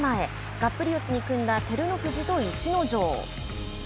がっぷり四つに組んだ照ノ富士と逸ノ城。